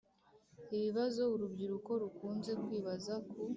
ibibazo urubyiruko rukunze kwibaza ku